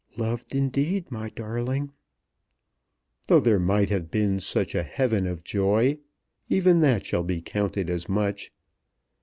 "Loved indeed, my darling." "Though there might have been such a heaven of joy, even that shall be counted as much.